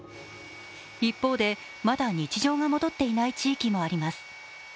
一方で、まだ日常が戻っていない地域もあります。